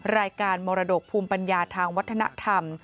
รายการมรดกภูมิปัญญาทางวัฒนธรรม